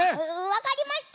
わかりました！